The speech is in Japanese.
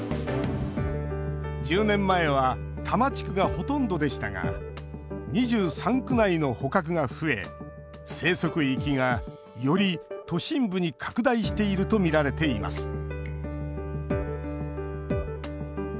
１０年前は多摩地区がほとんどでしたが２３区内の捕獲が増え生息域が、より都心部に拡大しているとみられています